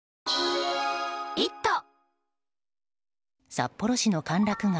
札幌市の歓楽街